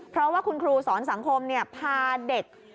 เพราะว่าคุณครูสอนสังคมพาเด็ก